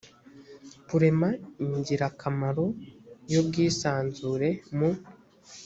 kurema ingirakamaro y ubwisanzure mu